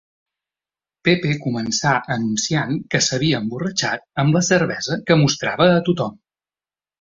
Pepe començà anunciant que s'havia emborratxat amb la cervesa que mostrava a tothom.